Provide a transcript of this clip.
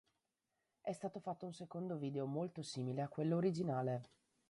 È stato fatto un secondo video molto simile a quello originale.